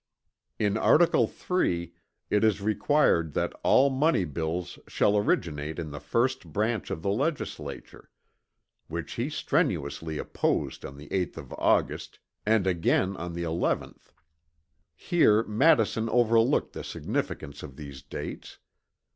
"In article III it is required that all money bills shall originate in the first branch of the legislature; which he strenuously opposed on the 8th of August and again on the 11th." Here Madison overlooked the significance of these dates.